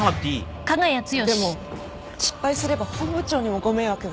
でも失敗すれば本部長にもご迷惑が。